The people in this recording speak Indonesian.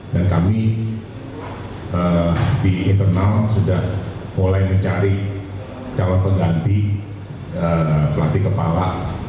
dan kami di internal sudah mulai mencari calon pengganti pelatih kepala